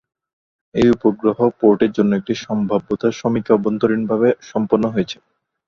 এই উপগ্রহ পোর্টের জন্য একটি সম্ভাব্যতা সমীক্ষা অভ্যন্তরীণভাবে সম্পন্ন হয়েছে।